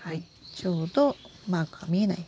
ちょうどマークが見えない。